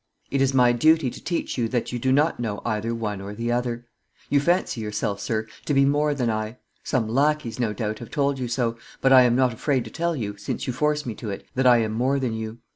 It is my duty to teach you that you do not know either one or the other. You fancy yourself, sir, to be more than I; some lackeys, no doubt, have told you so, but I am not afraid to tell you, since you force me to it, that I am more than you.